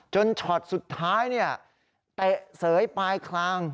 ช็อตสุดท้ายเตะเสยปลายคลาง